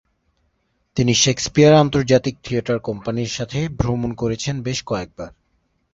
তিনি শেক্সপিয়ার আন্তর্জাতিক থিয়েটার কোম্পানির সাথে ভ্রমণ করেছেন বেশ কয়েকবার।